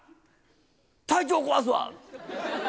体調壊すわ！